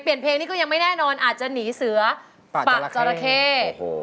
เปลี่ยนเพลงนี้ก็ยังไม่แน่นอนอาจจะหนีเสือปากจราเขต